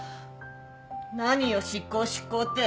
何よ執行執行って。